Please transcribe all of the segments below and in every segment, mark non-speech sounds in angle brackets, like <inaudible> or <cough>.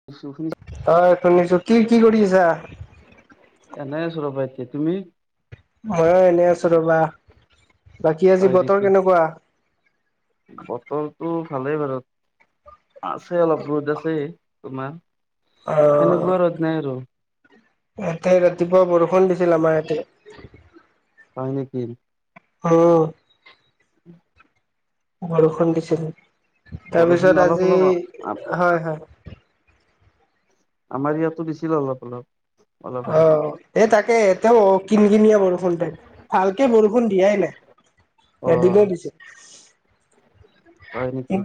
<inaudible> হয় শুনিছো, কি কি কৰি আছা? এনে আছো ৰ'বা এতিয়া তুমি? ময়ো এনে আছো ৰ'বা, বাকী আজি হয় বতৰ নেকি কেনেকুৱা? বতৰটো ভালেই বাৰু আছে অলপ ৰ'দ আছে। তোমাৰ? অ সেনেকুৱা ৰ'দ নাই আৰু। ইয়াতে ৰাতিপুৱা বৰষুণ দিছিল আমাৰ ইয়াতে। <unintelligible> উম <inaudible> বৰষুণ দিছিল, বৰষুণ তাৰপিছত অলপ আজি, অলপ আ- হয় হয়। আমাৰ ইয়াতো দিছিল অলপ অলপ। অলপ আগত অঁ' এই তাকে, তেও কিন কিনিয়া বৰষুণ, ভালকে বৰষুণ দিয়াই অ নাই। এদিনে দিছে। হয় নেকি।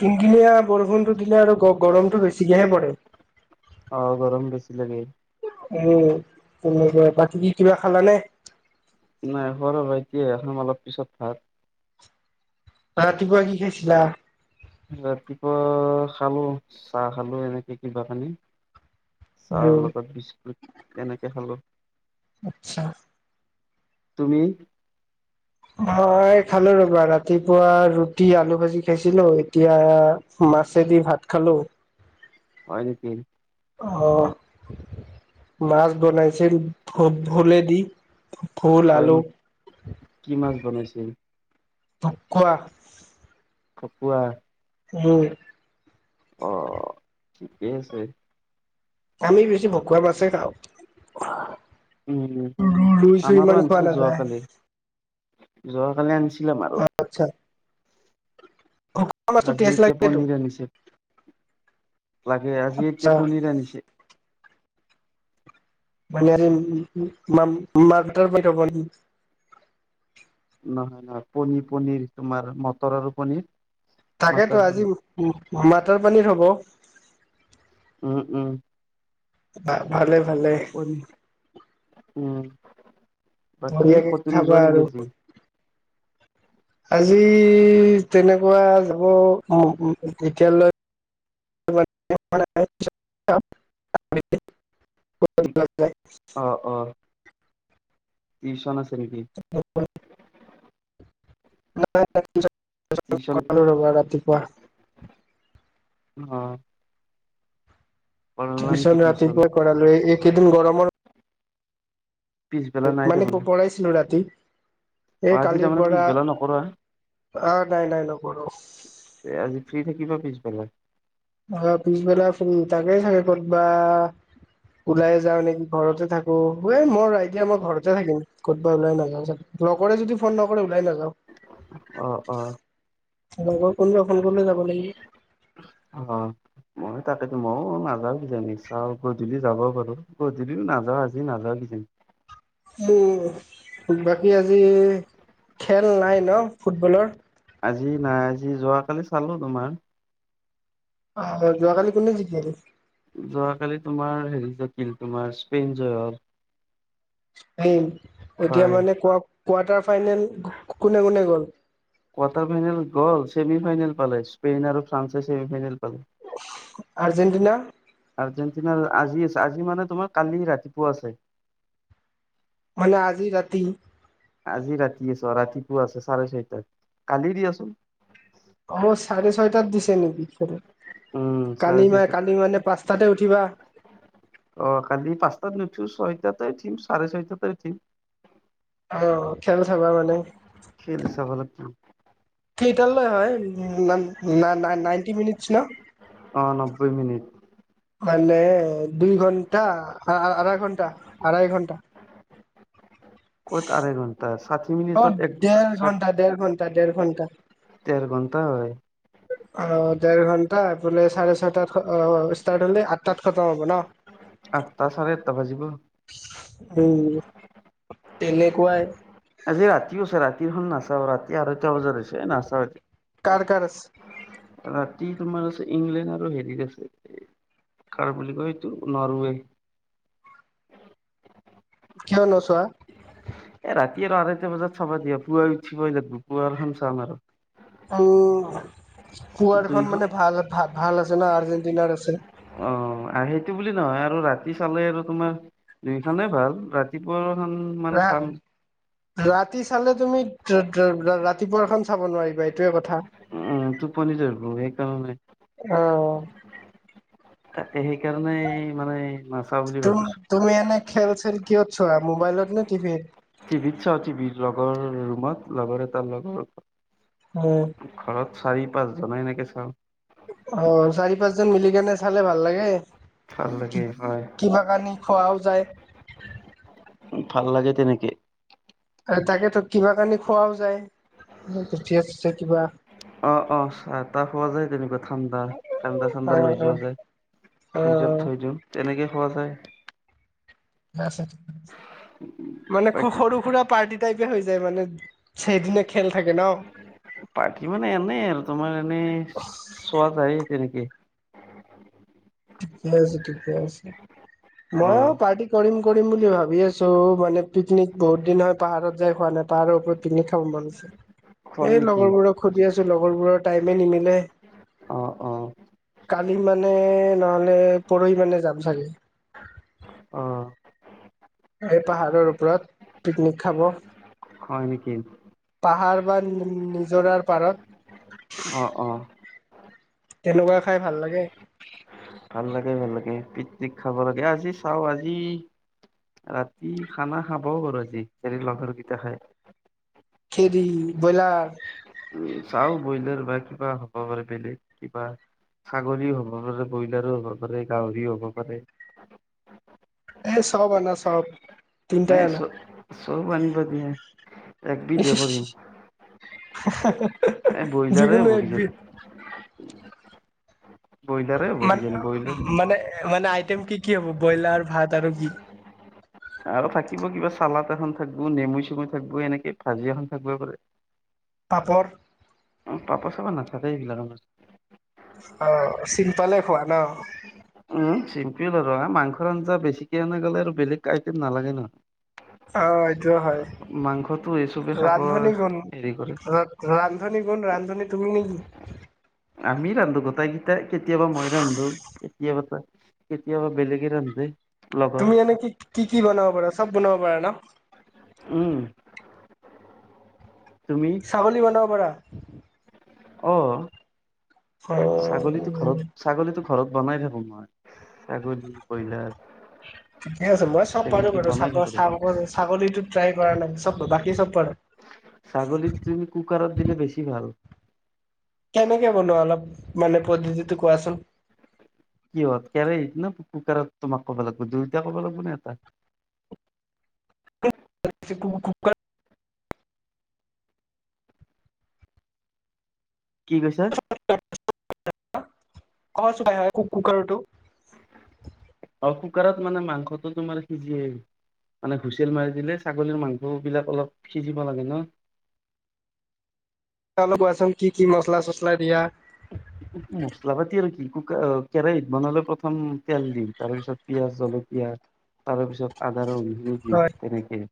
কিনকিনিয়া বৰষুণতো দিলে আৰু গৰমতো বেছিকেহে পৰে। অঁ' গৰম বেছি লাগে। উমঁ' সেনেকুৱাই, বাকী কি কিবা খালানে? নাই খোৱা ৰবা, এতিয়া <unintelligible> অলপ পিছত ভাত। ৰাতিপুৱা কি খাইছিলা? ৰাতিপুৱা খালোঁ চাহ খালোঁ এনেকে কিবা কানি। চাহৰ উম লগত বিস্কুট এনেকে খালোঁ। আচ্ছা তুমি? মই খালোঁ ৰবা ৰাতিপুৱা ৰুটি আলু ভাজি খাইছিলোঁ, এতিয়া- মাছে দি ভাত খালোঁ। হয় নেকি। অঁ' মাছ বনাইছিল ভু-ভুলে দি। ভুল, হয় আলু, নেকি কি মাছ বনাইছিল ভুকুৱা। খকুৱা। উমঁ। অঁ' ঠিকেই আছে। আমি বেছি ভকুৱা মাছে খাওঁ। উম, ৰুই চুই আমাৰো ইমান খোৱা আনিছিল নাযায়। যোৱাকালি, যোৱাকালি আনিছিলে আমাৰো। আচ্ছা'। ভকুৱা মাছটো আজি তেচট লাগেতো। <unintelligible> লাগে, আজি এতিয়া আচ্ছা পনীৰ আনিছে। মানে আৰু মাৰ্কটাৰ বাইদাবউান। নহয় নহয়, পনীৰ পনীৰ তোমাৰ মটৰ আৰু পনীৰ। মটৰ থাকেতো আজি পনীৰ। মাটাৰ পনীৰ হ'ব। উমঁ' উমঁ'। ভালে ভালে। উমঁ' বাকী বঢ়িয়াকে কতো খাবা নোযোৱা নেকি আৰু আজি? <unintelligible> আজি তেনেকুৱা যাব এতিয়ালৈ- <unintelligible> অঁ' অঁ। টিউচন আছে নেকি? অঁ। <unintelligible> ৰবা ৰাতিপুৱা। অঁ। টিউচন ৰাতিপুৱাই কৰালোঁ, এ এইকেইদিন গৰমৰ- পিছবেলা নাই মানে তাৰমানে, পঢ়াইছিলো ৰাতি। অ', এই আজি কালিৰ তাৰমানে পৰা পিছবেলা নকৰা, আহ' নাই নাই নকৰোঁ। এ আজি ফ্ৰী থাকিবা পিছবেলা? অঁ! পিছবেলা ফ্ৰী তাকে চাগে ক'ত বা ওলাই যাওঁ নেকি ঘৰতে থাকোঁ অ এই এতিয়া মই ঘৰতে থাকিম। ক'তবা ওলাই নাযাওঁ যাতে, লগৰে যদি ফোন নকৰে ওলাই নাযাওঁ। অঁ-অঁ! লগৰ কোনোবা ফোন কৰিলে যাব লাগিব। অঁ! মই তাকেতো ময়ো নাযাওঁ কিজানি, চাওঁ গধূলি যাব পাৰোঁ গধূলিও নাযাওঁ আজি নাযাওঁ কিজানি। উম! বাকী আজি খেল নাই ন ফুটবলৰ? আজি নাই আজি যোৱাকালি চালো তোমাৰ। অঁ! যোৱাকালি কোনে জিকিলে এনেই? যোৱাকালি তোমাৰ হেৰি জিকিল তোমাৰ স্পেইন জয় হ'ল। মোং এতিয়া হয় মানে কোৱা-কোৱাৰ্টাৰ ফাইনেল কোনে-কোনে গ'ল? কোৱাৰ্টাৰ ফাইনেল গ'ল, ছেমি ফাইনেল পালে স্পেইন আৰু ফ্ৰান্সে ছেমি ফাইনেল পালে। আৰ্জেণ্টিনা? আৰ্জেণ্টিনাৰ আজি আছে আজি মানে তোমাৰ কালি ৰাতিপুৱা আছে। মানে আজি ৰাতি। আজি ৰাতি আছোঁ ৰাতিপুৱা আছে চাৰে ছয়টাত কালি দি আছোঁ। অ‌ঁ! চাৰে ছয়টাত দিছে নেকি? উম চাৰে কালি মা ছয়টাত। কালি মানে পাঁচটাতে উঠিবা। অঁ! কালি পাঁচটাত নুঠো, ছয়টাতে উঠিম চাৰে ছয়টাতে উঠিম। অঁ! খেল চাবা মানে? খেল চাব লাগিব। কেইটা লৈ হয়? উম! না-না-না-নাইনটি মিনিটছ ন। অ নব্বৈ মিনিট মানে দুই ঘন্টা আ-আঢ়ৈ ঘণ্টা, আঢ়ৈ ঘণ্টা। ক'ত আঢ়ৈ ঘণ্টা ষাঠি অ মিনিটত এক ডেৰ ঘন্টা ডেৰ ঘন্টা ডেৰ ঘন্টা <unintelligible> ডেৰ ঘণ্টা হয়। অঁ! ডেৰ ঘন্টা এইফালে চাৰে ছয়টাত অহ ষ্টাৰ্ট হ'লে আঠটাত খতম হ'ব ন। আঠটা চাৰে আঠটা বাজিব। উম! তেনেকুৱাই। আজি ৰাতিও আছে ৰাতিখন নাচাওঁ ৰাতি আঢ়ৈটা বজাত হৈছে নাচাওঁ এতিয়া। কাৰ-কাৰ‌ আছে? ৰাতি তোমাৰ আছে ইংলেণ্ড আৰু হেৰিৰ আছে কাৰ বুলি কয় এইটো নৰৱে। কিয় নোচোৱা? এ ৰাতি আৰু আঢ়ৈটা বজাত চাবা দিয়া পুৱাই উঠিব লাগিব পুৱা খন চাম আৰু। উম! পুৱাৰখন দুইখন মানে ভাল-ভাল আছে না আৰ্জেণ্টিনাৰ আছে। অঁ! সেইটো বুলি নহয় আৰু ৰাতি চালে আৰু তোমাৰ দুইখনে ভাল ৰাত ৰাতিপুৱাৰখন মানে ৰা চাম। ৰাতি চালে তুমি <inaudible> ৰাতিপুৱাৰখন চাব নোৱাৰিবা এইটোৱে কথা। উম! টোপনি ধৰিব সেইকাৰণে। অ', তাকে সেইকাৰণেই মানে মাছ তুম তুমি এনেই খেল-চেল কিহত চোৱা মোবাইলত নে টিভিত? টিভিত চাওঁ, টিভ লগৰ ৰুমত লগৰ এটা লগৰ উম। ঘৰত চাৰি, পাঁচজনে এনেকে চাওঁ। অঁ, চাৰি -পাঁচজন মিলি কেনে চালে ভাল লাগে। ভাল লাগে কি-কিবা কানি খোৱাও যায়। ভাল লাগে তেনেকে। তাকেতো কিবা আনি খোৱাও যায় ভোজিয়া- চোজিয়া কিবা। অঁ, অঁ, চাহ -তাহ পোৱা যায় তেনেকুৱা ঠাণ্ডা ঠাণ্ডা- চাণ্ডা অ লৈ অ যোৱা যায়। অ ফ্ৰিজত থৈ দিওঁ তেনেকে খোৱা যায়। তাৰপিছত আ মানে খু বাকী সৰু সুৰা পাৰ্টি টাইপে হৈ যায় মানে। সেইদিনা খেল থাকে ন। পাৰ্টি মানে এনেই আৰু তোমাৰ এনেই- চোৱ যায়ে তেনেকে। ঠিকেই আছে, ঠিকেই আছে। <inaudible> মইয়ো পাৰ্টি কৰিম- কৰিম বুলি ভাবি আছোঁ মানে পিকনিক বহুত দিন হ'ল পাহাৰত যাই খোৱা নাই পাহাৰৰ ওপৰত। পিকনিক খাব মন আছে। হয় এই নেকি লগৰবোৰক- সুধি আছোঁ লগৰবোৰৰ টাইমে নিমিলে। অ অ কালি মানে- নহ'লে পৰহি মানে যাম চাগে। অঁ। সেই পাহাৰৰ ওপৰত পিকনিক খাব। হয় নেকি? পাহাৰ বা নি-নিজৰাৰ পাৰত। অঁ, অঁ। তেনেকুৱা খাই ভাল লাগে। ভাল লাগে, ভাল লাগে পিকনিক খাব লাগে। আজি চাওঁ আজি- ৰাতি খানা খাবও পাৰোঁ আজি যদি লগৰকিটা খাই। কি দি? ব্ৰয়লাৰ? উম, চাওঁ ব্ৰয়লাৰ বা কিবা হ'ব পাৰে বেলেগ কিবা! ছাগলীও হ'ব পাৰে, ব্ৰয়লাৰো হ'ব পাৰে, গাহৰিও হ'ব পাৰে। এই চব আনা চব। তিনটাই নাই চ- চব আনিবা দিয়ে, একবিধ হে কৰিম। হা- হা- হা! এই ব্ৰইলাৰে যিকোনো হ'ব কিজানি একবিধ? ব্ৰইলাৰে হ'ব মা- কিজানি ব্ৰইলাৰ মানে- মানে আইটেম কি কি হ'ব ব্ৰয়লাৰ, ভাত আৰু কি? আৰু থাকিব কিবা চালাদ এখন থাকিব, নেমু-চেমু থাকিব, এনেকে ভাজি এখন থাকিব পাৰে। <inaudible> পাপৰ? অঁ, পাপৰ-চাপাৰ নাথাকে এইবিলাক আমাৰ। অঁ, চিম্পলে খোৱা ন'? উম, চিম্পুল আৰু এ মাংসৰ আঞ্জা বেছিকে আনা গ'লে আৰু বেলেগ আইটেম নালাগে ন'। অঁ, এইটো হয়। মাংসটো এই চবে খাব ৰান্ধনী কোন হেৰি কৰে ঘৰত? ৰান্ধনী কোন, ৰান্ধনী তুমি নেকি? আমি ৰান্ধো গোটেইকেইটা, কেতিয়াবা মই ৰান্ধো। কেতিয়াবা, কেতিয়াবা বেলেগে ৰান্ধে। লগৰ তুমি এনে কি- কি- কি বনাব পাৰা? চব বনাব পাৰা ন'? উম, তুমি? ছাগলী বনাব পাৰা? অ। অ ছাগলীতো ঘৰত, ছাগলীতো ঘৰত বনাই থাকো মই, ছাগলী, বইলাৰ। ঠিকে আছে, মই চব পাৰো বাৰু বনাই চাকৰ থাকো দেখোন ছাগল ছাগলীটো ট্ৰাই কৰা নাই, ‌চব বাকী চব পাৰো। ছাগলীটো তুমি কুকাৰত দিলে বেছি ভাল। কেনেকে বনোৱা অলপ, মানে পদ্ধতিটো কোৱাচোন? কিহত? কেৰাহীত নে কুকাৰত তোমাক ক'ব লাগিব? দুইটা ক'ব লাগিব নে এটা? <inaudible> কি কৈছা? <inaudible> ক চোন এ কু কুকাৰৰটো? অঁ কুকাৰত মানে মাংসটো তোমাৰ সিজিয়েই। মানে হুইচেল মাৰি দিলে ছাগলীৰ মাংস বিলাক অলপ সিজিব লাগে ন'? অলপ কোৱাচোন কি কি মছলা চচলা দিয়া? মছলা পাতি আৰু কুকা, অ কেৰাহীত বনালে প্ৰথম তেল দিম, তাৰ পিছত পিয়াজ, জলকীয়া তাৰ পিছত আদা, নহৰু দিওঁ হয় তেনেকেই,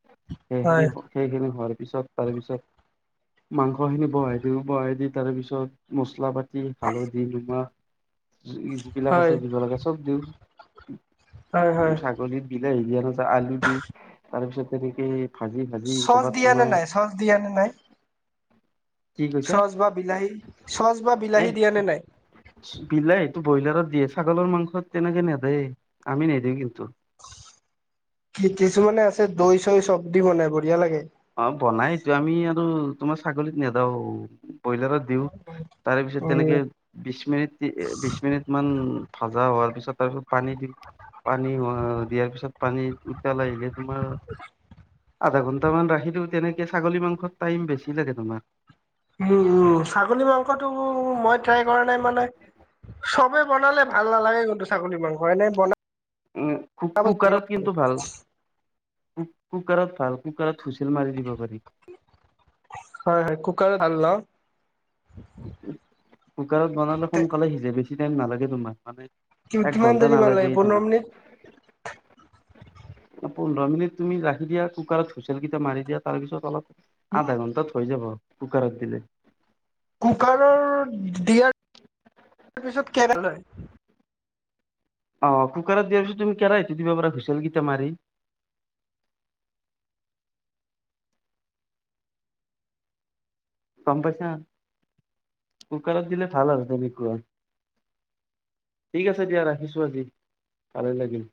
হয়। সেইখিনি সেইখিনি হোৱাৰ পিছত, তাৰ পিছত মাংসখিনি বহাই দিওঁ, বহাই দি তাৰপিছত মছলা পাতি হালধি, নিমখ যি যিবিলাক হয় আছে দিব লাগে চব দিওঁ। হয় হয়। গলিত বিলাহী দিয়া আৰু আলু দিওঁ তাৰ পিছত তেনেকে ভাজি ভাজি কৰ'বাত তোমাৰ চজ দিয়া নে নাই? কি কৈছে চচ বা বিলাহী, চচ বা এ বিলাহী দিয়া নে নাই? বিলাহীটো বইলাৰত দিয়ে, ছাগলৰ মাংসত তেনেকে নেদে, আমি নেদেও কিন্তু। কি কিছুমানে আছে দৈ চৈ চব দি বনাই বঢ়িয়া লাগে। অঁ বনাই এইটো আমি আৰু তোমাৰ ছাগলীত নেদাও ব্ৰইলাৰত দিওঁ তাৰে পিছত উম। তেনেকে বিশ মিনিট বিশ মিনিট মান ভাজা হোৱাৰ পিছত তাৰপিছত পানী দিওঁ। পানী দিয়াৰ পিছত পানী উতালাই আহিলে, তোমাৰ আধা ঘন্ট মান ৰাখ সেইটো তেনেকে ছাগলী মাংসত টাইম বেছি লাগে তোমাৰ। উম উম, ছাগলী মাংসটো মই ট্ৰাই কৰা নাই মানে চবে বনালে ভাল নালাগে কিন্তু চাগলী মাংস এনেই বনা উম, কু কুকাৰত কিন্তু ভাল। ক কুকাৰত ভাল কুকাৰত হুইচেল মাৰি দিব পাৰি। হয় হয়, কুকাৰত ভাল ন। কুকাৰত বনালে সোনকালে সিজে, বেছি টাইম নালাগে তোমাক মানে এক কিমান ঘণ্টা দেৰি মান লাগে নালাগে পোন্ধৰ তোমাৰ। মিনিট পোন্ধৰ মিনিট তুমি ৰাখি দিয়া কুকাৰত হুইচেল কেইটা মাৰি দিয়া, তাৰপিছত অলপ আধা ঘণ্টাত হৈ যাব, কুকাৰত দিলে। কুকাৰ দিয়াৰ পিছত অঁ কুকাৰত দিয়াৰ পিছত তুমি কেৰাহীটো দিব পাৰা হুচেইল কেইটা মাৰি। গম পাইচা? কুকাৰত দিলে ভাল আৰু তেনেকুৱা। ঠিক আছে দিয়া ৰাখিছোঁ আজি, ভালে লাগিল।